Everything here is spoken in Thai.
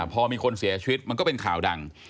พอมีคนเสียชีวิตมันก็เป็นข่าวดัง